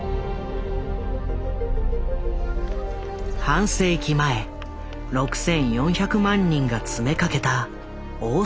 半世紀前６，４００万人が詰めかけた大阪万博。